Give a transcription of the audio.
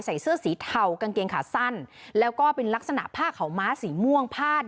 ใส่เสื้อสีเทากางเกงขาสั้นแล้วก็เป็นลักษณะผ้าขาวม้าสีม่วงพาด